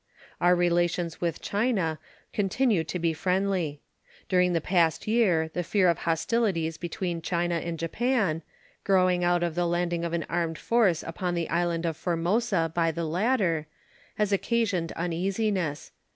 Our relations with China continue to be friendly. During the past year the fear of hostilities between China and Japan, growing out of the landing of an armed force upon the island of Formosa by the latter, has occasioned uneasiness.